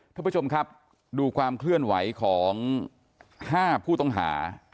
ท่านผู้ชมครับดูความเคลื่อนไหวของ๕ผู้ต้องหา